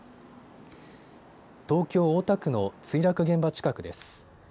東京大田区の墜落現場近くです。